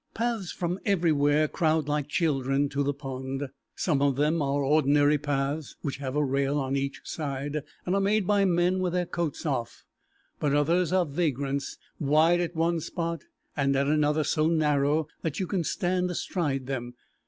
Paths from everywhere crowd like children to the pond. Some of them are ordinary paths, which have a rail on each side, and are made by men with their coats off, but others are vagrants, wide at one spot and at another so narrow that you can stand astride them.